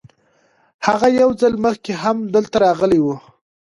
هغه یو ځل مخکې هم دلته راغلی و.